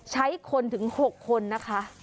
ใช้คนถึง๖คนนะคะ